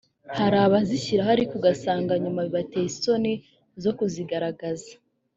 Hari abazishyiraho ariko ugasanga nyuma bibateye isoni zo kuzigaragaza